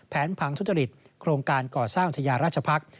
พังทุจริตโครงการก่อสร้างอุทยาราชภักษ์